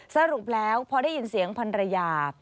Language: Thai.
สรุปแล้วพอได้ยินเสียงพันรยา